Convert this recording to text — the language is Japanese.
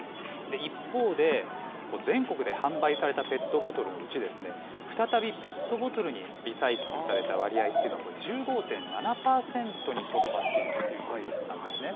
一方で、全国で販売されたペットボトルのうち、再びペットボトルにリサイクルされた割合というのは、これ、１５．７％にとどまっているということなんですね。